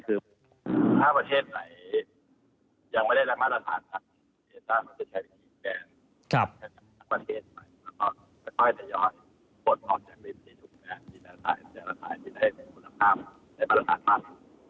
ก็พยายามพอดทอดแบบนี้ถูกแค่ที่แทนการตายมีให้มีคุณการภาพได้ประหลาดมาก